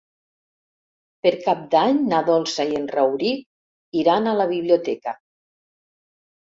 Per Cap d'Any na Dolça i en Rauric iran a la biblioteca.